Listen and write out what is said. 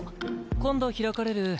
今度開かれるにゃ